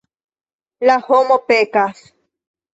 La homo pekas.